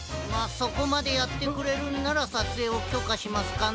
そこまでやってくれるんならさつえいをきょかしますかな。